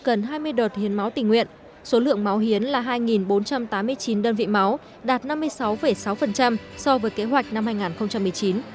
gần hai mươi đợt hiến máu tình nguyện số lượng máu hiến là hai bốn trăm tám mươi chín đơn vị máu đạt năm mươi sáu sáu so với kế hoạch năm hai nghìn một mươi chín